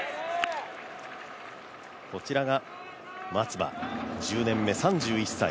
こちらが松葉、１０年目３１歳。